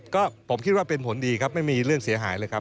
ก็ผมคิดว่าเป็นผลดีครับไม่มีเรื่องเสียหายเลยครับ